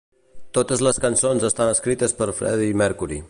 Totes les cançons estan escrites per Freddie Mercury.